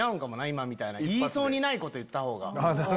今みたいな言いそうにないこと言ったほうが。